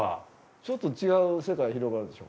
ちょっと違う世界広がるでしょ。